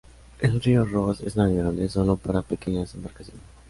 El río Ross es navegable solo para pequeñas embarcaciones.